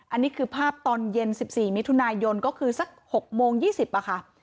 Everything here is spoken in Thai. อันนี้คือภาพตอนเย็น๑๔มิถุนายนก็คือสัก๖โมง๒๐ค่ะ